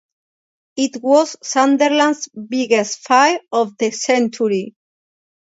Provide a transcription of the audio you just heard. It was Sunderland's biggest fire of the century.